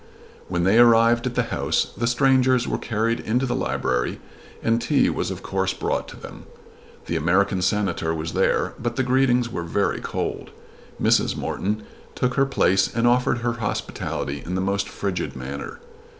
When they arrived at the house the strangers were carried into the library and tea was of course brought to them. The American Senator was there, but the greetings were very cold. Mrs. Morton took her place and offered her hospitality in the most frigid manner.